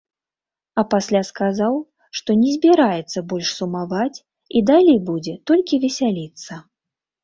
А пасля сказаў, што не збіраецца больш сумаваць і далей будзе толькі весяліцца.